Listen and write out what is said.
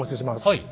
はい。